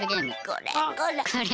これこれ。